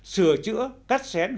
sửa chữa cắt xén hoặc